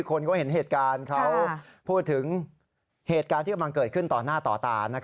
คนเขาเห็นเหตุการณ์เขาพูดถึงเหตุการณ์ที่กำลังเกิดขึ้นต่อหน้าต่อตา